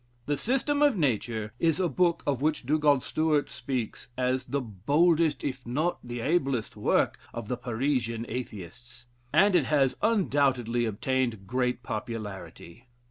The "System of Nature" is a book of which Dugald Stewart speaks, as "the boldest, if not the ablest work of the Parisian Atheists," and it has undoubtedly obtained great popularity.